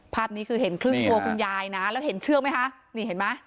ภาพนี้คือเห็นครึ่งตัวคุณยายนะแล้วเห็นเชือกไหมคะนี่เห็นไหม